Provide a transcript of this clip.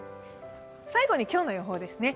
最後に今日の予報です。